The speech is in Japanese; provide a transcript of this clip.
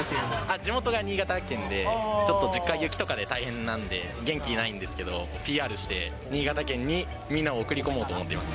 地元が新潟県で、ちょっと実家が雪とかで大変なんで、元気ないんですけど、ＰＲして、新潟県にみんなを送り込もうと思っています。